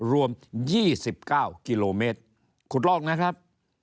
รวม๒๙กิโลเมตรขุดลอกนะครับ